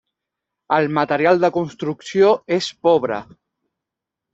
El material de construcció és pobre.